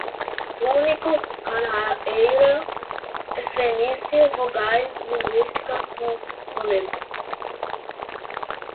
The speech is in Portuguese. púnico, cananeia, fenício, vogais, linguística, Homero